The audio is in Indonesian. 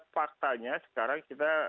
faktanya sekarang kita